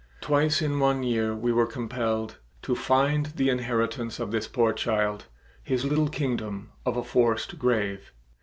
Twice in one year we were compelled "To find the inheritance of this poor child His little kingdom of a forced grave."